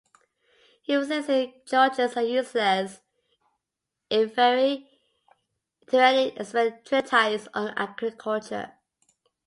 He even says his "Georgics" are useless, inferior to any expert treatise on agriculture.